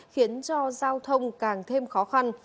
khiến cho giao thông càng thêm khó khăn